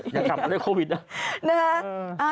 จะกลับมาได้โควิดนะ